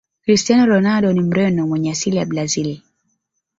cristiano ronaldo ni mreno mwenye asili ya brazil